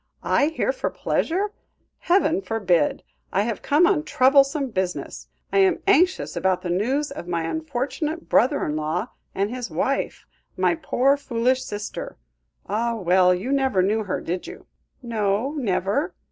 I here for pleasure? Heaven forbid. I have come on troublesome business. I am anxious about the news of my unfortunate brother in law and his wife, my poor, foolish sister. Ah! well you never knew her, did you?" "No, never."